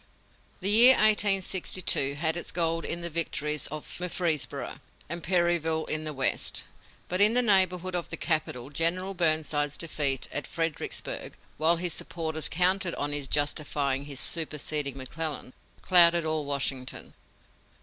The year 1862 had its gold in the victories of Murfreesboro and Perryville in the West, but in the neighborhood of the capital General Burnside's defeat at Fredericksburg, while his supporters counted on his justifying his superseding McClellan, clouded all Washington.